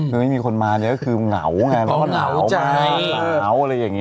ไม่มีคนมาเนี้ยคือเหงาใจเหงาหรออะไรอย่าง